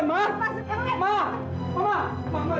mama jangan mama